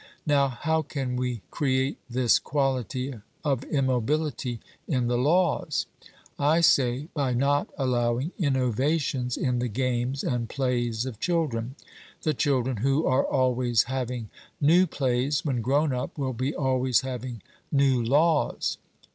Now how can we create this quality of immobility in the laws? I say, by not allowing innovations in the games and plays of children. The children who are always having new plays, when grown up will be always having new laws.